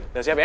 udah siap ya